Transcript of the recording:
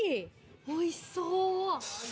おいしそう。